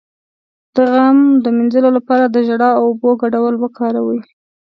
د غم د مینځلو لپاره د ژړا او اوبو ګډول وکاروئ